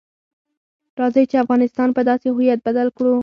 راځئ چې افغانستان په داسې هویت بدل کړو.